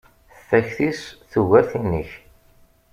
Takti-s tugar tin-ik.